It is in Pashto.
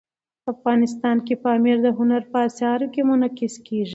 افغانستان کې پامیر د هنر په اثار کې منعکس کېږي.